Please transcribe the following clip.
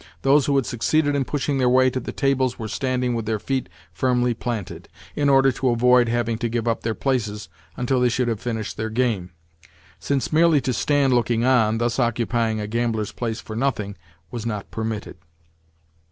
Those who had succeeded in pushing their way to the tables were standing with their feet firmly planted, in order to avoid having to give up their places until they should have finished their game (since merely to stand looking on—thus occupying a gambler's place for nothing—was not permitted).